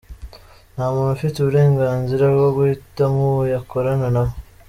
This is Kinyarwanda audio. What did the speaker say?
Nta muntu ufite uburenganzira bwo guhitamo uwo yakorana na we.